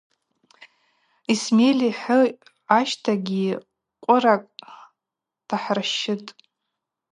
Исмель йхы ащтагьи къвыракӏ тахӏырщщытӏ.